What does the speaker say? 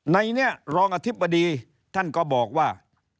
ในนี้รองอธิบดีท่านก็บอกว่า